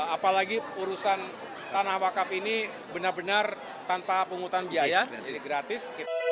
apalagi urusan tanah wakaf ini benar benar tanpa penghutan biaya gratis